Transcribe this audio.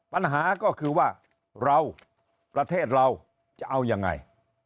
ปัญหาก็คือว่าเราประเทศเราจะเอายังไง